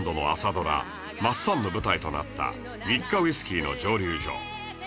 ドラ『マッサン』の舞台となったニッカウヰスキーの蒸溜所